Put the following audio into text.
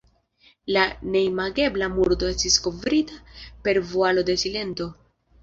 La neimagebla murdo estis kovrita per vualo de silento.